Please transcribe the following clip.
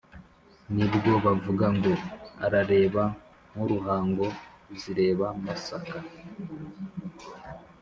ni bwo bavuga ngo: «arareba nk'uruhango zireba masaka»